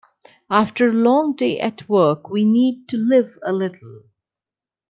After a long day at work, we need to live a little.